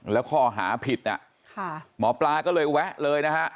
แล้วข้อหาผิดหมอปลาก็เลยแวะเลยนะฮะ